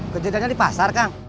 kejadiannya di pasar kang